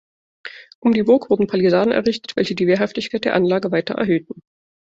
Um die Burg wurden Palisaden errichtet, welche die Wehrhaftigkeit der Anlage weiter erhöhten.